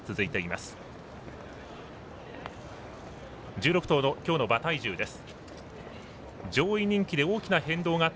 １６頭の今日の馬体重です。